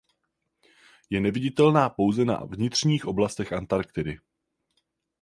Je neviditelná pouze na vnitřních oblastech Antarktidy.